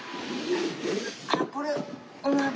あっこれおなじ。